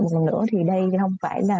một lần nữa thì đây không phải là